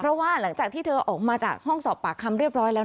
เพราะว่าหลังจากที่เธอออกมาจากห้องสอบปากคำเรียบร้อยแล้ว